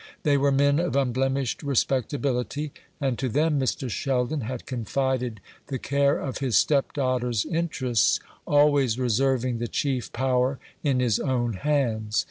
They were men of unblemished respectability, and to them Mr. Sheldon had confided the care of his stepdaughter's interests, always reserving the chief power in his own hands.